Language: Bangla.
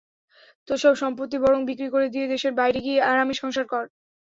তোর সব সম্পত্তি বরং বিক্রি করে দিয়ে দেশের বাইরে গিয়ে আরামে সংসার কর।